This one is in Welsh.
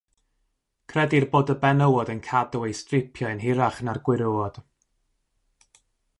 Credir bod y benywod yn cadw eu stripiau yn hirach na'r gwyrywod.